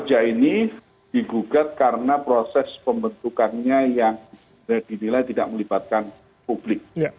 perbaikan kerja ini digugat karena proses pembentukannya yang tidak didilai tidak melibatkan publik